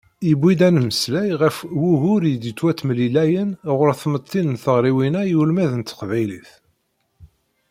Yewwi-d ad d-nemmeslay ɣef wugur i d-yettwattemlilayen ɣur tmetti deg teɣriwin-a i ulmad n teqbaylit.